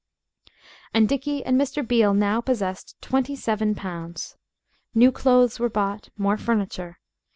And Dickie and Mr. Beale now possessed twenty seven pounds. New clothes were bought more furniture.